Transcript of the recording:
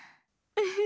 ウフフ。